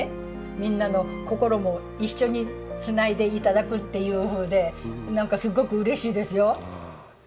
みんなの心も一緒につないで頂くっていうふうでなんかすごくうれしいですよ。